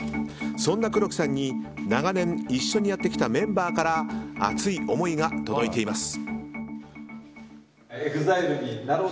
そんな黒木さんに長年一緒にやってきたメンバーから熱い思いが届いています。